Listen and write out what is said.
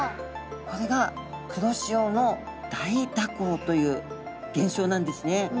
これが黒潮の大蛇行という現象なんですね。